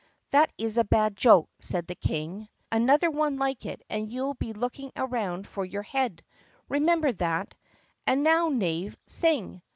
"That is a bad joke," said the King. "Another one like it and you 'll be looking around for your head. Remember that! And now, knave, sing!"